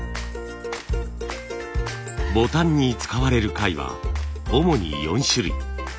ボタンに使われる貝は主に４種類。